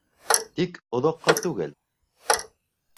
Тик оҙаҡҡа түгел.